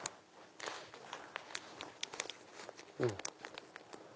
うん！